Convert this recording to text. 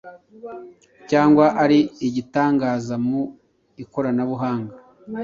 cyangwa ari igitangaza mu ikoranabuhanga